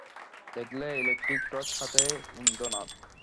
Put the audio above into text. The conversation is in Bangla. দেখলে ইলেকট্রিক টর্চ হাতে ইন্দ্রনাথ।